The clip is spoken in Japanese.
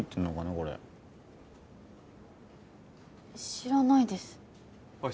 これ知らないですあっ